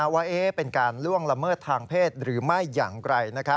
ว่าเป็นการล่วงละเมิดทางเพศหรือไม่อย่างไร